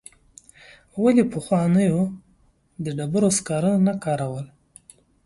ولي پخوانو د ډبرو سکاره نه کارول؟